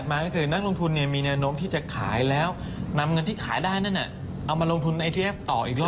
นำเงินที่ขายได้นั่นน่ะเอามาลงทุนไอทีเอฟต่ออีกรอบ